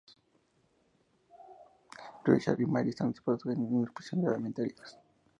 Richard y Mary están atrapados en una explosión y gravemente heridos.